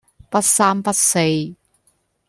不三不四